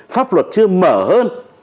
pháp luật chưa mở hơn